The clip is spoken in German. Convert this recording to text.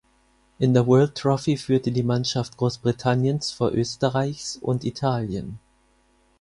In der World Trophy führte die Mannschaft Großbritanniens vor Österreichs und Italien.